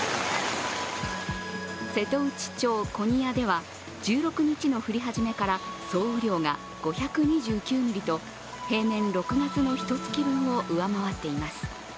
瀬戸内町古仁屋では１６日の降り始めから総雨量が５２９ミリと平年６月のひとつき分を上回っています。